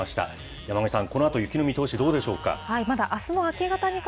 山神さん、このあとの雪の見通しはどうでしょうか。